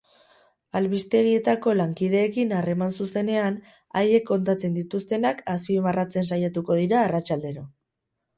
Albistegietako lankideekin harreman zuzenean, haiek kontatzen dituztenak azpimarratzen saiatuko dira arratsaldero.